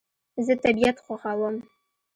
زه طبیعت خوښوم